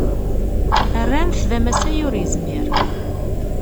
Rran-t d amasay ur yezmir.